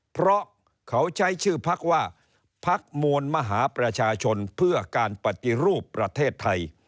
เพราะเขาใช้ชื่อพักว่าพักมวลมหาประชาชนเพื่อการปฏิรูปประเทศไทย